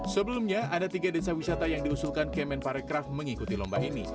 sebelumnya ada tiga desa wisata yang diusulkan kemen parekraf mengikuti lomba ini